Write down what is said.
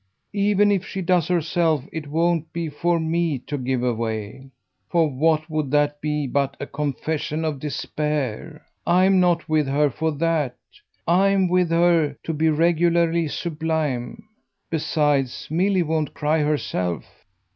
Even if she does herself it won't be for me to give away; for what would that be but a confession of despair? I'm not with her for that I'm with her to be regularly sublime. Besides, Milly won't cry herself."